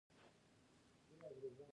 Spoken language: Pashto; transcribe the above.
ایا کورنۍ مو ستاسو پاملرنه کوي؟